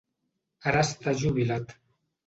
Ara està jubilat.